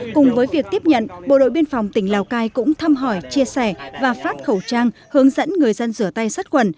cùng với việc tiếp nhận bộ đội biên phòng tỉnh lào cai cũng thăm hỏi chia sẻ và phát khẩu trang hướng dẫn người dân rửa tay sát quần